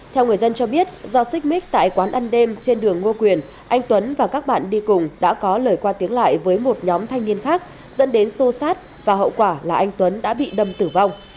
theo người dân cho biết do xích mích tại quán ăn đêm trên đường ngô quyền anh tuấn và các bạn đi cùng đã có lời qua tiếng lại với một nhóm thanh niên khác dẫn đến sô sát và hậu quả là anh tuấn đã bị đâm tử vong